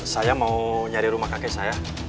saya mau nyari rumah kakek saya